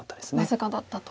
僅かだったと。